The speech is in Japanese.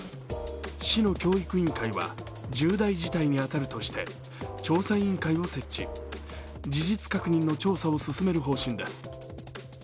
市の教育委員会は重大事態に当たるとして調査委員会を設置事実確認の調査を進める方針です。